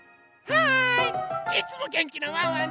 はい。